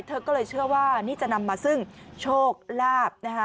เธอก็เลยเชื่อว่านี่จะนำมาซึ่งโชคลาภนะคะ